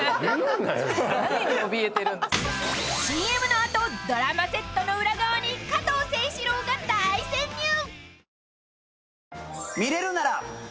［ＣＭの後ドラマセットの裏側に加藤清史郎が大潜入］